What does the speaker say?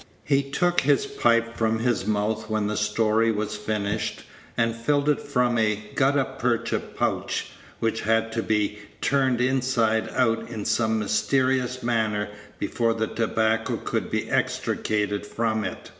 He took his pipe from his mouth when the story was finished, and filled it from a gutta percha pouch, which had to be turned inside out in some mysterious manner before the tobacco could be extricated from it.